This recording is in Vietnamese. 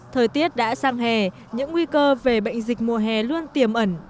thời tiết đã sang hè những nguy cơ về bệnh dịch mùa hè luôn tiềm ẩn